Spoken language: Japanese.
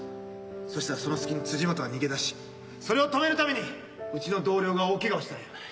そしたらその隙に辻本は逃げ出しそれを止めるためにうちの同僚が大ケガをしたんや。